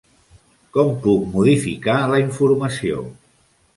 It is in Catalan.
Com puc modificar la informació?